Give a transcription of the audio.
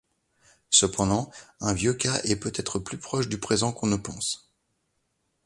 Cependant, un vieux cas est peut-être plus proche du présent qu'on ne pense.